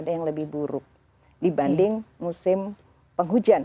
ada yang lebih buruk dibanding musim penghujan